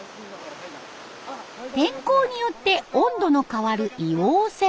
天候によって温度の変わる硫黄泉。